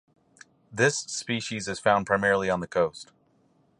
This species is found primarily on the coast.